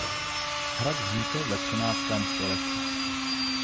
Hrad vznikl ve třináctém století.